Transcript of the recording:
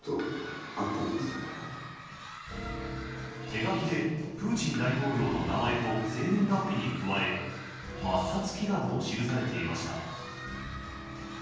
手書きでプーチン大統領の名前と生年月日に加え抹殺祈願と記されていました。